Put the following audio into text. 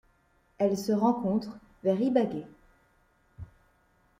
Elle se rencontre vers Ibagué.